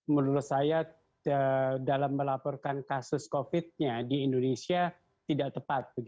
menurut saya dalam melaporkan kasus covid nya di indonesia tidak tepat